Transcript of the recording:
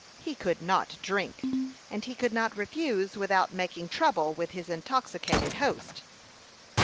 He could not drink, and he could not refuse without making trouble with his intoxicated host.